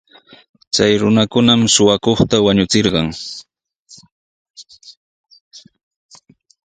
Chay runakunam suqakuqta wañuchirqan.